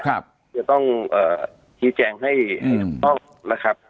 ครับจะต้องเอ่อทีแจงให้อืมต้องนะครับครับ